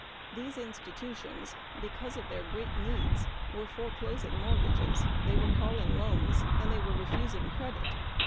These institutions, because of their great needs, were foreclosing mortgages, calling loans, refusing credit.